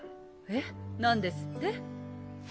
えっ何ですって？